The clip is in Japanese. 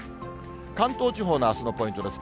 関東地方のあすのポイントです。